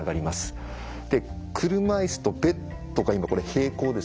車いすとベッドが今これ平行ですね。